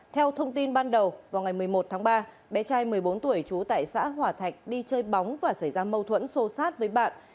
theo thông tin ban đầu vào ngày một mươi một tháng ba bé trai một mươi bốn tuổi trú tại xã hòa thạch đi chơi bóng và xảy ra mâu thuẫn sô sát với bạn